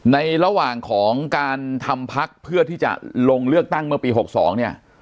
ในระหว่างของการทำพักเพื่อที่จะลงเลือกตั้งเมื่อปี๖๒เนี่ย